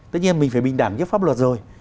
tất nhiên mình phải bình đẳng trước pháp luật rồi